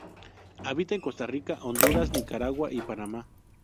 Habita en Costa Rica, Honduras, Nicaragua y Panamá.